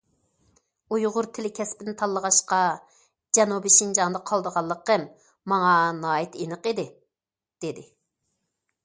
ئۇيغۇر تىلى كەسپىنى تاللىغاچقا، جەنۇبىي شىنجاڭدا قالىدىغانلىقىم ماڭا ناھايىتى ئېنىق ئىدى، دېدى.